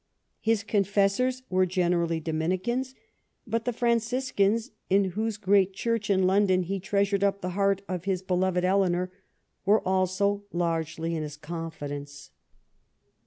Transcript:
His confessors were generally Dominicans, but the Franciscans, in whose great church in London he treasured up the heart of his beloved Eleanor, Avere also largely in his confidence.